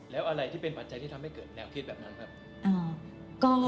แล้วอะไรที่เป็นปัจจัยที่ทำให้เกิดแนวคิดแบบนั้นครับ